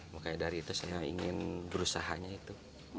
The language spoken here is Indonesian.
makanya dari itu saya ingin berusahanya itu